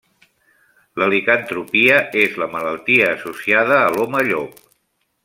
La licantropia és la malaltia associada a l'home llop.